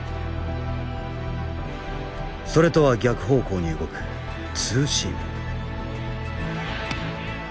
それとは逆方向に動くツーシーム。